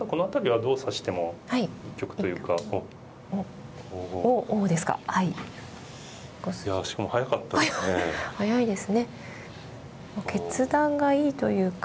この辺りはどう指しても一局というか。